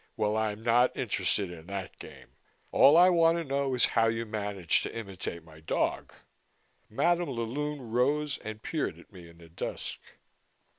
Well, I'm not interested in that game. All I want to know is how you managed to imitate my dog?" Madam la Lune rose and peered at me in the dusk.